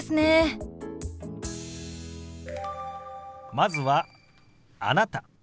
まずは「あなた」。